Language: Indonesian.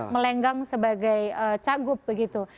melenggang sebagai cagup begitu